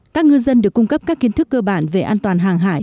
các ngư dân được cung cấp các kiến thức cơ bản về an toàn hàng hải